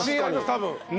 多分。